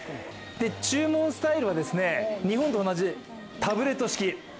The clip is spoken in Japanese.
注文スタイルは、日本と同じタブレット式。